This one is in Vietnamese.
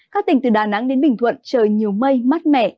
các tỉnh từ đà nẵng đến bình thuận trời nhiều mây mát mẻ